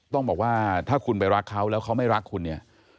ต้องบอกว่าถ้าคุณไปรักเขาแล้วเขาไม่รักคุณเนี่ย